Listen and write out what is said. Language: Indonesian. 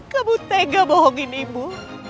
kamu tega bohongin ibu